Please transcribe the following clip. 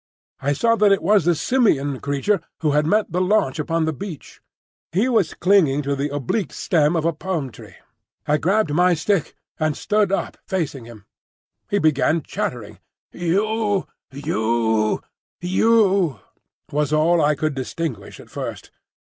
I saw that it was the simian creature who had met the launch upon the beach. He was clinging to the oblique stem of a palm tree. I gripped my stick, and stood up facing him. He began chattering. "You, you, you," was all I could distinguish at first.